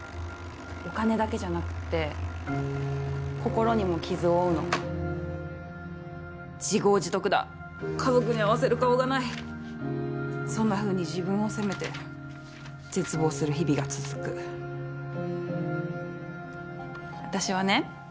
お金だけじゃなくって心にも傷を負うの自業自得だ家族に合わせる顔がないそんなふうに自分を責めて絶望する日々が続く私はね